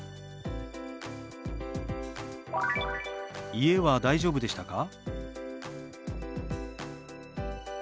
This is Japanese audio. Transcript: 「家は大丈夫でしたか？」。